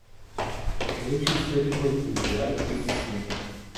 El hecho histórico y cultural es distinto.